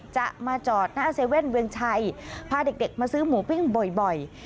จะมาจอดหน้าเซเว่นเวียงชัยพาเด็กมาซื้อหมูปิ้งบ่อย